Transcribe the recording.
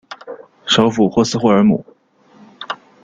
首府霍斯霍尔姆。